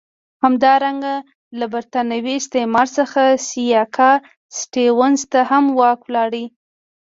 همدارنګه له برېتانوي استعمار څخه سیاکا سټیونز ته هم واک ولاړ.